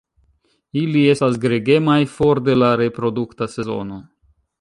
Ili estas gregemaj for de la reprodukta sezono.